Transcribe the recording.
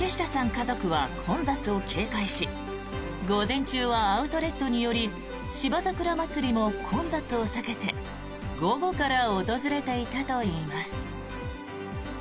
家族は混雑を警戒し午前中はアウトレットに寄り芝桜まつりも混雑を避けて午後から訪れていたといいます。